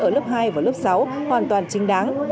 ở lớp hai và lớp sáu hoàn toàn chính đáng